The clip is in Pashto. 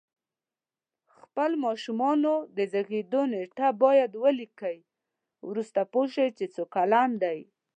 خپل ماشومانو د زیږېدو نېټه باید ولیکئ وروسته پوه شی چې څو کلن دی